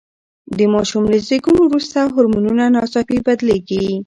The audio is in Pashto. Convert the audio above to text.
د ماشوم له زېږون وروسته هورمونونه ناڅاپي بدلیږي.